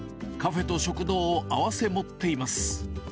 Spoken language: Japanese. カフェと食堂を併せ持っています。